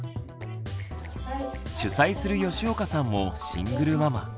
主宰する吉岡さんもシングルママ。